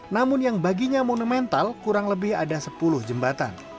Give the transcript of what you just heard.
namun yang baginya monumental kurang lebih ada sepuluh jembatan